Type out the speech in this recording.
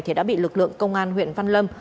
thì đã bị lực lượng công an huyện văn lâm